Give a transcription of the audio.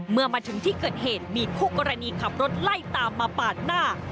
เมื่อมาถึงที่เกิดเหตุมีคู่กรณีขับรถไล่ตามมาปาดหน้า